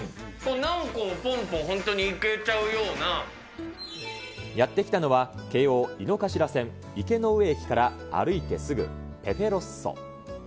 何個もぽんぽん本当にいけちやって来たのは、京王井の頭線池ノ上駅から歩いてすぐ、ペペロッソ。